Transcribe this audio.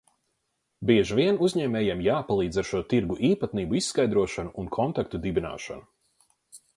Bieži vien uzņēmējiem jāpalīdz ar šo tirgu īpatnību izskaidrošanu un kontaktu dibināšanu.